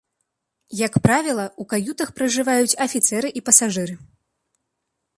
Як правіла, у каютах пражываюць афіцэры і пасажыры.